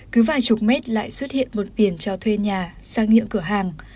cứ vài chục mét lại xuất hiện một biển cho thuê nhà sang nhượng cửa hàng